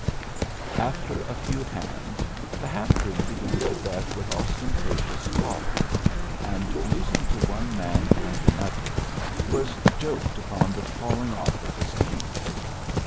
After a few hands, the half breed began to bet with ostentatious folly, and, losing to one man and another, was joked upon the falling off of his game.